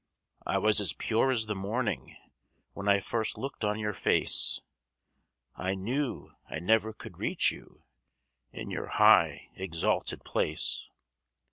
I was as pure as the morning When I first looked on your face; I knew I never could reach you In your high, exalted place.